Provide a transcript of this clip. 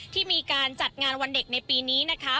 ที่มีการจัดงานวันเด็กในปีนี้นะคะ